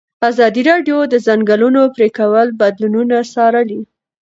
ازادي راډیو د د ځنګلونو پرېکول بدلونونه څارلي.